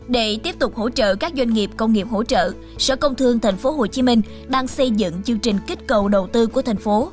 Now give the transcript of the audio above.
để tiếp tục hỗ trợ các doanh nghiệp công nghiệp hỗ trợ sở công thương tp hcm đang xây dựng chương trình kích cầu đầu tư của thành phố